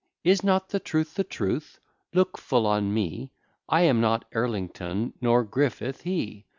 Is not the truth the truth? Look full on me; I am not Elrington, nor Griffith he.